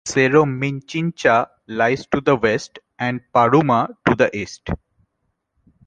Cerro Minchincha lies to the west and Paruma to the east.